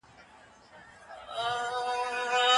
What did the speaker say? شیشه ولې کار نه کوي؟